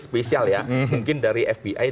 spesial ya mungkin dari fbi